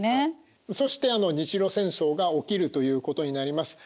そしてあの日露戦争が起きるということになります。